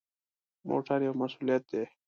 موټر یو مسؤلیت دی.